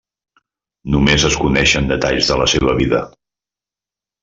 Només es coneixen detalls de la seva vida.